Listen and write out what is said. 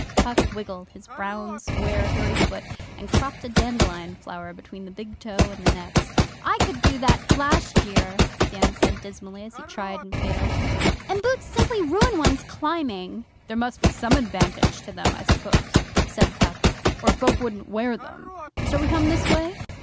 Puck wriggled his brown, square, hairy foot, and cropped a dandelion flower between the big toe and the next. 'I could do that last year,' Dan said dismally, as he tried and failed. 'And boots simply ruin one's climbing.' 'There must be some advantage to them, I suppose,'said Puck, or folk wouldn't wear them. Shall we come this way?